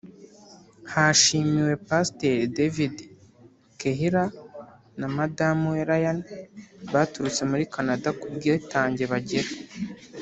Hashimiwe Pastor David Kehler na madamu we Lynn baturutse muri Canada ku bwitange bagira